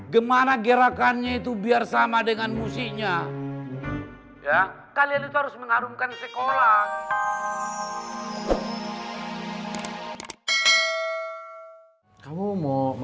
gimana gerakannya itu biar sama dengan musiknya